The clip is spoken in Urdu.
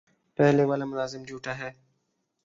پہلے والا ملازم جھوٹا ہے